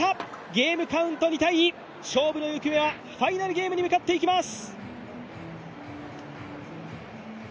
ゲームカウント２−２、勝負の行方はファイナルゲームに向かっていきます。